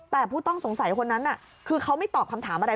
แต่ผู้ต้องสงสัยคนนั้นคือเขาไม่ตอบคำถามอะไร